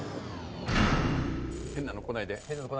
変なのこないで。